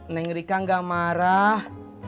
neng rika enggak marah